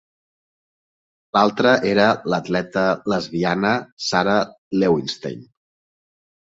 L'altra era l'atleta lesbiana Sara Lewinstein.